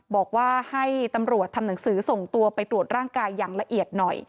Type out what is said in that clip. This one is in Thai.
บอกว่าให้ตำรวจทำหนังสือส่งตัวไปตรวจร่างกายอย่างละเอียดหน่อย